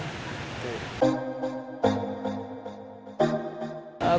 ketika saya berhasil mengalahkan juara dunia saya menang